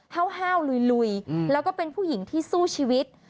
ห้าวลุยแล้วก็เป็นผู้หญิงที่สู้ชีวิต